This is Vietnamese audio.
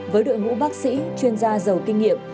với đội ngũ bác sĩ chuyên gia giàu kinh nghiệm